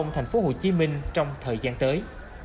thành phố hồ chí minh trong thời gian tới